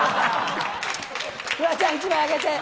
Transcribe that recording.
フワちゃん、１枚あげて。